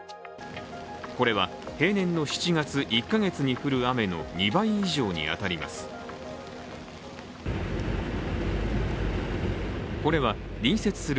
これは平年の７月、１カ月に降る雨の２倍以上に当たります。